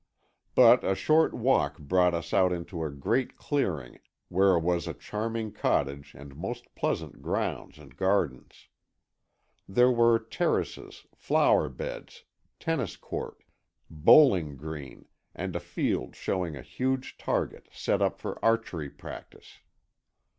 But a short walk brought us out into a great clearing where was a charming cottage and most pleasant grounds and gardens. There were terraces, flower beds, tennis court, bowling green and a field showing a huge target, set up for archery practice.